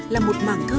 là một màng thơ